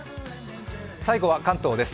最後は関東です。